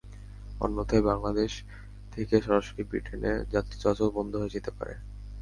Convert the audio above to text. অন্যথায় বাংলাদেশ থেকে সরাসরি ব্রিটেনে যাত্রী চলাচল বন্ধ হয়ে যেতে পারে।